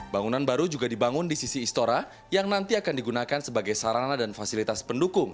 bangunan baru juga dibangun di sisi istora yang nanti akan digunakan sebagai sarana dan fasilitas pendukung